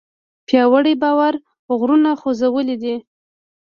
پیاوړی باور غرونه خوځولی شي.